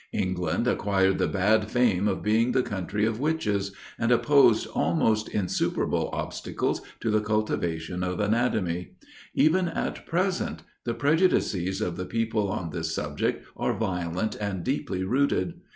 England acquired the bad fame of being the country of witches, and opposed almost insuperable obstacles to the cultivation of anatomy. Even at present the prejudices of the people on this subject are violent and deeply rooted.